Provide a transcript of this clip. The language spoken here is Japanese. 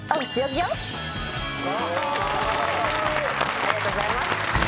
ありがとうございます。